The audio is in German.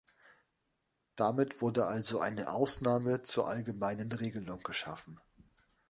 Damit wurde also eine Ausnahme zur allgemeinen Regelung geschaffen.